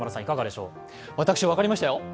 私分かりましたよ。